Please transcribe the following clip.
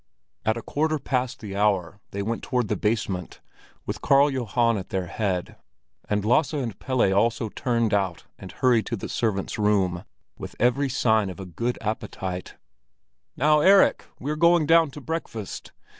At a quarter past the hour they went toward the basement, with Karl Johan at their head, and Lasse and Pelle also turned out and hurried to the servants' room, with every sign of a good appetite. "Now, Erik, we're going down to breakfast!"